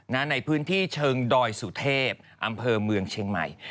ในพื้นที่เชิงดอยสุเทพอำเภอเมืองเชียงใหม่